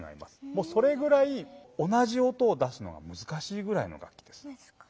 もうそれくらい同じ音を出すのがむずかしいくらいの楽器です。